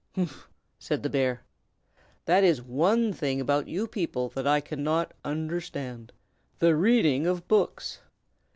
"Humph!" said the bear. "That is one thing about you people that I cannot understand, the reading of books.